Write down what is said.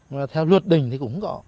mà theo luật đình thì cũng có